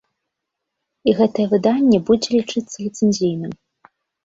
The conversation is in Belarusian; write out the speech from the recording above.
І гэтае выданне будзе лічыцца ліцэнзійным.